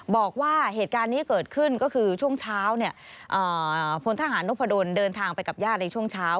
บอกว่าเหตุการณ์นี้เกิดขึ้นก็คือช่วงเช้าพลทหารนพดลเดินทางไปกับญาติในช่วงเช้า